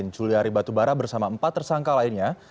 juliari batubara bersama empat tersangka lainnya